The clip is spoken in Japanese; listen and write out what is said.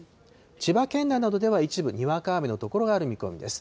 千葉県内などでは、一部、にわか雨の所がある見込みです。